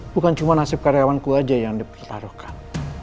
bukan cuma nasib karyawanku aja yang dipertaruhkan